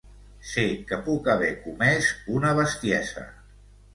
Sé que puc haver comés una bestiesa.